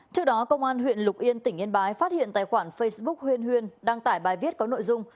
trước đó công an huyện lục yên tỉnh yên bái phát hiện tài khoản facebook huyên huyên đăng tải bài viết có nội dung